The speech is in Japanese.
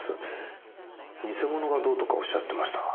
偽物がどうとかおっしゃってましたが。